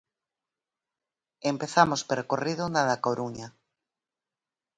Empezamos percorrido na da Coruña.